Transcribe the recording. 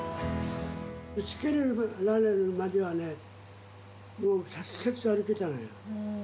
ぶつけられるまではね、もう、さっさっと歩けたのよ。